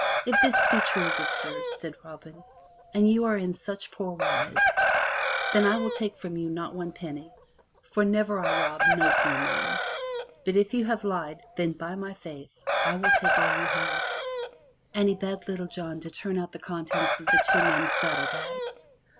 "If this be true, good sirs,*' said Robin, "and you are in such poor wise, then will I take from you not one penny, for never I rob no poor man; but if you have lied, then, by my faith, will I take all you have." And he bade Little John turn out the contents of the two men's saddle bags.